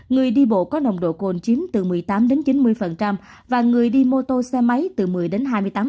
người đi bộ có nồng độ cồn chiếm từ một mươi tám chín mươi và người đi mô tô xe máy từ một mươi đến hai mươi tám